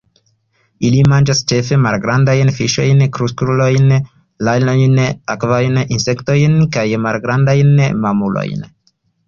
Ili manĝas ĉefe malgrandajn fiŝojn, krustulojn, ranojn, akvajn insektojn, kaj malgrandajn mamulojn.